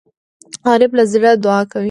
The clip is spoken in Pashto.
غریب له زړه دعا کوي